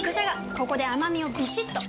ここで甘みをビシッと！